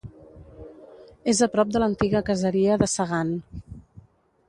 És a prop de l'antiga caseria de Segan.